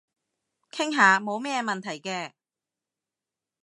傾下冇咩問題嘅